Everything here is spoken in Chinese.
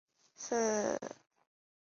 皮洛士还以仁慈着称。